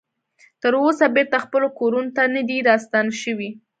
تر اوسه بیرته خپلو کورونو ته نه دې ستانه شوي